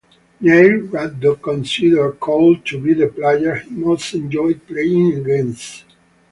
Neil Ruddock considered Cole to be the player he most enjoyed playing against.